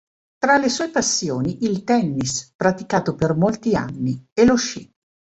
Tra le sue passioni il tennis, praticato per molti anni, e lo sci.